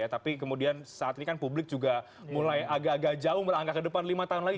tapi kemudian saat ini kan publik juga mulai agak agak jauh berangka ke depan lima tahun lagi